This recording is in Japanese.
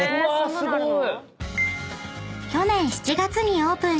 すごい！